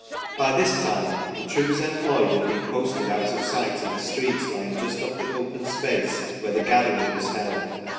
By this time the troops employed had been posted out of sight in the streets lying just off the open space where the gathering was held.